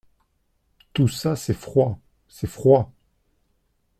Tout ça, c’est froid ! c’est froid !